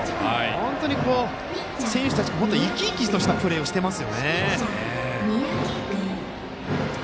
本当に選手たち生き生きとしたプレーしています。